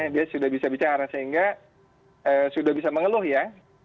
dia sudah bisa bicara sehingga sudah bisa mengeluh ya